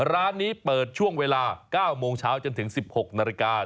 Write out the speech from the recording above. ร้านนี้เปิดช่วงเวลา๙โมงเช้าจนถึง๑๖นาฬิกา